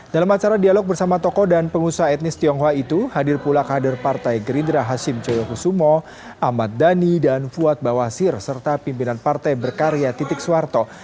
dalam acara dialog bersama tokoh dan pengusaha etnis tionghoa itu hadir pula kader partai gerindra hashim joyokusumo ahmad dhani dan fuad bawasir serta pimpinan partai berkarya titik suharto